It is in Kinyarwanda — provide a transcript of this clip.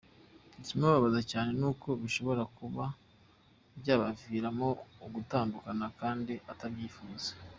Ikimubabaza cyane nuko bishobora kuba byabaviramo ugutandukana kandi atabyifuza.